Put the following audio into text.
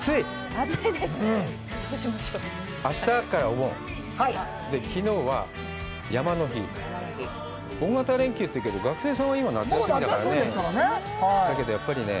暑いですねどうしましょう明日からお盆で昨日は山の日大型連休っていうけど学生さんは今夏休みだからねだけどやっぱりね